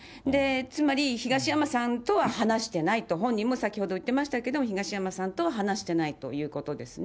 つまり、東山さんとは話してないと、本人も先ほど言ってましたけど、東山さんとは話していないということですね。